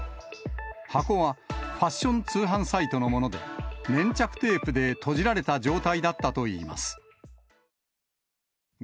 箱はファッション通販サイトのもので、粘着テープでとじられた状態だったといいます。